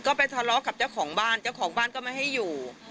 ก็ไปทะเลาะกับเจ้าของบ้านเจ้าของบ้านก็ไม่ให้อยู่